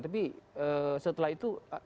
tapi setelah itu